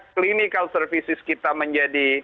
klinikal servis kita menjadi